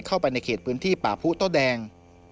เข้าไปในเขตพื้นที่ป่าผู้โต้แดง